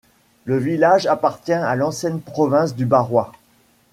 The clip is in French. Le village appartient à l'ancienne province du Barrois.